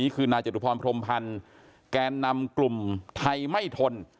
คือนายจตุพรพรมพันธ์แกนนำกลุ่มไทยไม่ทน